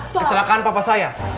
mas kecelakaan papa saya